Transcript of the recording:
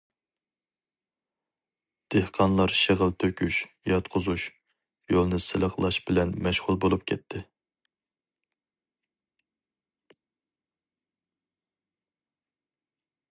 دېھقانلار شېغىل تۆكۈش، ياتقۇزۇش، يولنى سىلىقلاش بىلەن مەشغۇل بولۇپ كەتتى.